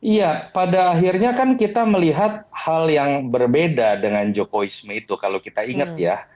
iya pada akhirnya kan kita melihat hal yang berbeda dengan jokowisme itu kalau kita ingat ya